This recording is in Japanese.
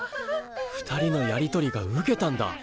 ２人のやり取りがウケたんだ。